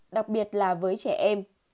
đặc biệt là với trẻ em